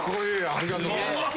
ありがとうございます。